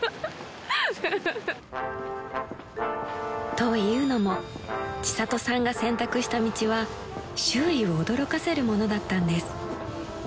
［というのも千里さんが選択した道は周囲を驚かせるものだったんです］